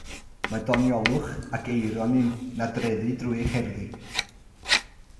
Mae doniolwch ac eironi'n nadreddu drwy ei cherddi.